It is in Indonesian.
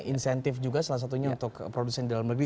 insentif juga salah satunya untuk produsen di dalam negeri